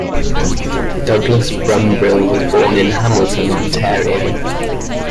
Douglass Dumbrille was born in Hamilton, Ontario.